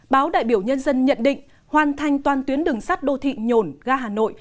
báo đại biểu nhân dân nhận định hoàn thành toàn tuyến đường sắt đô thị nhổn ga hà nội